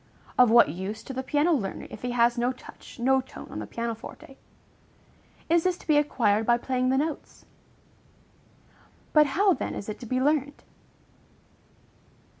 of what use to the piano learner, if he has no touch, no tone on the piano forte. Is this to be acquired by playing the notes? But how then is it to be learned?